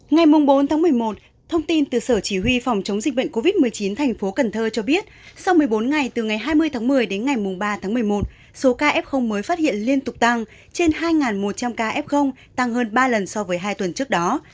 ngày bốn một mươi một thông tin từ sở chỉ huy phòng chống dịch bệnh covid một mươi chín thành phố cần thơ cho biết sau một mươi bốn ngày từ ngày hai mươi tháng một mươi đến ngày ba tháng một mươi một số ca f mới phát hiện liên tục tăng trên hai một trăm linh ca f tăng hơn ba lần so với hai tuần trước đó